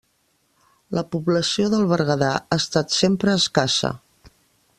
La població del Berguedà ha estat sempre escassa.